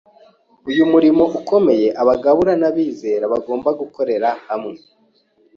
uyu murimo ukomeye Abagabura n’abizera bagomba gukorera hamwe.